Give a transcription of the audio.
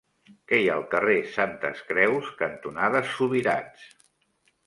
Què hi ha al carrer Santes Creus cantonada Subirats?